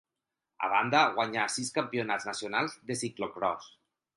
A banda guanyà sis campionats nacionals de ciclocròs.